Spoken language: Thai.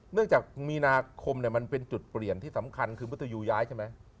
เนื่องจากมีนาคมมันเป็นจุดเปลี่ยนที่สำคัญคือมนุษยูย้ายใช่ไหม